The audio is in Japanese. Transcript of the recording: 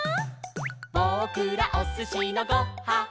「ぼくらおすしのご・は・ん」